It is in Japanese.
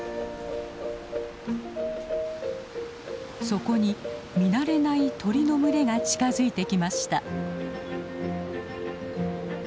そこに見慣れない鳥の群れが近づいてきました。